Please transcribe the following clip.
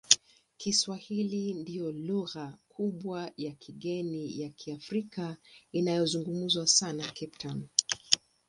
Kiswahili ndiyo lugha kubwa ya kigeni ya Kiafrika inayozungumzwa sana Cape Town.